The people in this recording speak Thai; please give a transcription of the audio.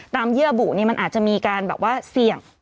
ตามเยื่อบุนี่มันอาจจะมีการเสี่ยง